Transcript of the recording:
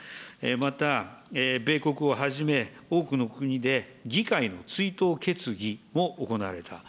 また、米国をはじめ、多くの国で議会の追悼決議も行われた。